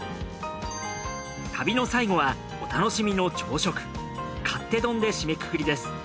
旅の最後はお楽しみの朝食勝手丼で締めくくりです。